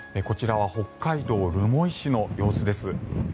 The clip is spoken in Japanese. こちらは北海道留萌市の様子です。